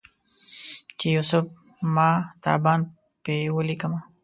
چې یوسف ماه تابان په ولیکمه